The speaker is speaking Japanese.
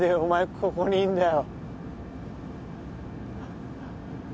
ここにいんだよ